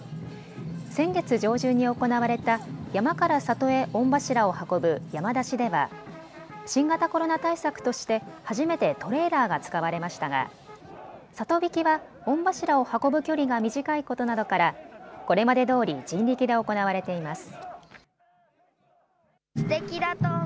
先月上旬に行われた山から里へ御柱を運ぶ山出しでは新型コロナ対策として初めてトレーラーが使われましたが里曳きは御柱を運ぶ距離が短いことなどからこれまでどおり人力で行われています。